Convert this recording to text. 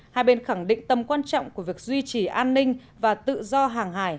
hai bên khẳng định tầm quan trọng của việc duy trì an ninh và tự do hàng hải